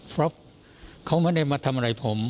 เพราะเขาไม่ได้มาทำอะไรผม